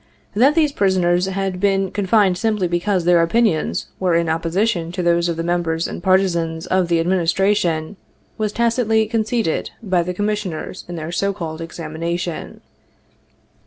That these prisoners had been confined simply because their opinions were in opposition to those of the members and partisans of the Administration, was tacitly conceded by the Commissioners in their so called examina tion.